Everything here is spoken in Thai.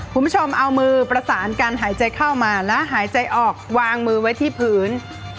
คุณผู้ชมเอามือประสานการหายใจเข้ามาแล้วหายใจออกวางมือไว้ที่พื้น